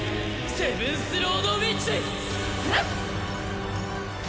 セブンスロード・ウィッチ！